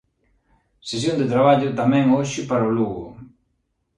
Sesión de traballo tamén hoxe para o Lugo...